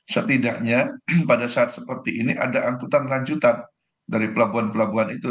setidaknya pada saat seperti ini ada angkutan lanjutan dari pelabuhan pelabuhan itu